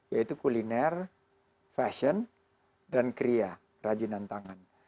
yaitu kuliner fashion dan kriya rajinan tangan